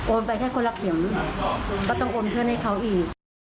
ไปแค่คนละเข็มก็ต้องโอนเพื่อนให้เขาอีก